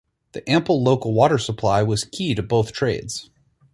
The ample local water supply was key to both trades.